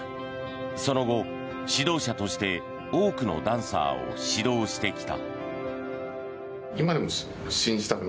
その後、指導者として多くのダンサーを指導してきた。